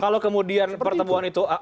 kalau kemudian pertemuan itu